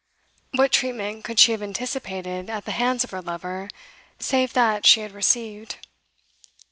What treatment could she have anticipated at the hands of her lover save that she had received?